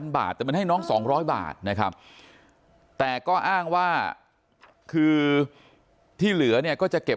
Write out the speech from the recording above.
แต่มันให้น้อง๒๐๐บาทนะครับแต่ก็อ้างว่าคือที่เหลือเนี่ยก็จะเก็บ